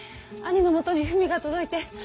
兄のもとに文が届いて。